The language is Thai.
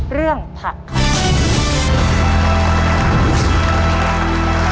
เรื่องผักครับ